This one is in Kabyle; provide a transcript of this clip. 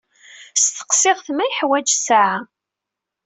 Steqsiɣ-t ma yeḥwaǧ ssaɛa.